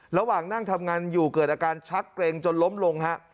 ระหว่างนั่งทำงานอยู่เกิดอาการชักเกร็งจนล้มลงฮะ